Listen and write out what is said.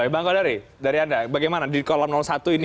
bang kodari dari anda bagaimana di kolam satu ini